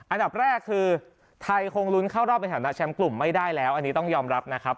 อันดับแรกคือไทยคงลุ้นเข้ารอบในฐานะแชมป์กลุ่มไม่ได้แล้วอันนี้ต้องยอมรับนะครับ